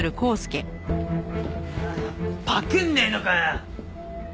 なあパクんねえのかよ！